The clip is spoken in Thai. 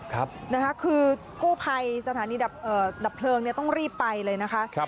ครับคือกู้ไพรสถานีดับเพลิงต้องรีบไปเลยนะคะ